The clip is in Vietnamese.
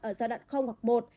ở giai đoạn hoặc một